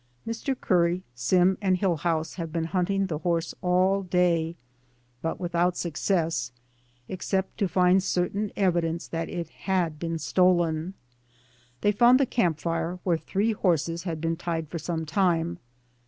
Mr. Curry, Sim and Hillhouse have been hunting the horse all day, but without suc cess, except to find certain evidence that it had been stolen. They found the camp fire, where three horses had been tied for some time.